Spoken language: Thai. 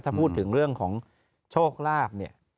และถ้าพูดถึงเรื่องของโชคลาฟ